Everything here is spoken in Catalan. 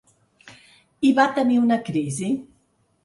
I va tenir una crisi.